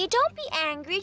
jangan marah dong